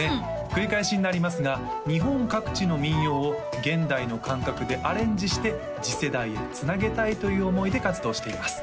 繰り返しになりますが日本各地の民謡を現代の感覚でアレンジして次世代へつなげたいという思いで活動しています